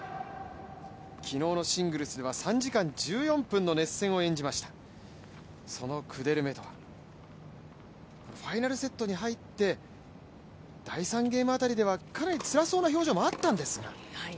昨日のシングルスでは３時間１４分の熱戦を演じました、そのクデルメトワ、ファイナルセットに入って、第３ゲームあたりではかなりつらそうな表情もあったんですが。